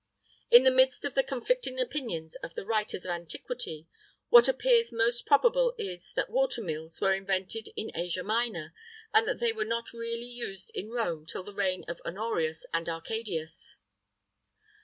In the midst of the conflicting opinions of the writers of antiquity, what appears most probable is, that watermills were invented in Asia Minor, and that they were not really used in Rome till the reign of Honorius and Arcadius.